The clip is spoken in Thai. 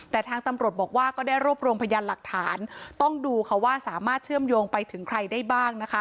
แต่ทางตำรวจบอกว่าก็ได้รวบรวมพยานหลักฐานต้องดูค่ะว่าสามารถเชื่อมโยงไปถึงใครได้บ้างนะคะ